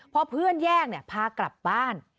พอเพื่อนแยกเนี่ยพากลับบ้าน